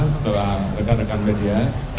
setelah rekan rekan media